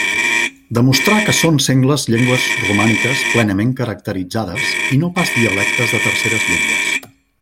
Demostrà que són sengles llengües romàniques plenament caracteritzades, i no pas dialectes de terceres llengües.